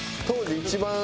当時一番。